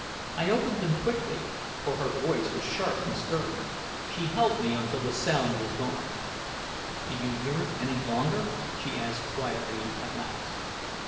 I opened them quickly, for her voice was sharp and stern. She held me until the sound was gone. "Do you hear it any longer?" she asked quietly at last.